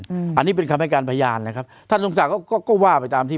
อืมอันนี้เป็นคำให้การพยานนะครับท่านทรงศักดิ์ก็ก็ว่าไปตามที่